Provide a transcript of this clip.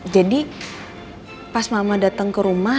jadi pas mama datang ke rumah